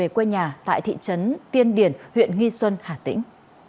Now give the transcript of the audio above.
quê nhà tại thị trấn tiên điển huyện nghi xuân hà tĩnh